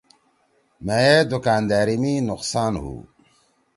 مھیئے دُوکأندأری می نُقصان ہُو۔